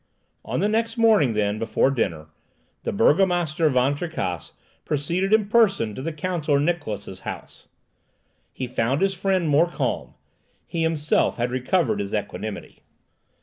On the next morning, then, before dinner, the Burgomaster Van Tricasse proceeded in person to the Counsellor Niklausse's house. He found his friend more calm. He himself had recovered his equanimity.